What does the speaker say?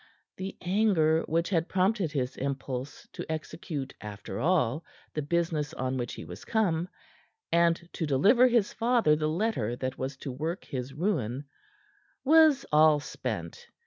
The anger which had prompted his impulse to execute, after all, the business on which he was come, and to deliver his father the letter that was to work his ruin, was all spent.